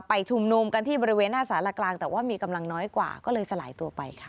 ชุมนุมกันที่บริเวณหน้าสารกลางแต่ว่ามีกำลังน้อยกว่าก็เลยสลายตัวไปค่ะ